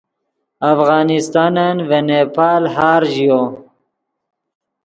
افغانستانن ڤے نیپال ہار ژیو